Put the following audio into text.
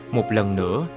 một lần nữa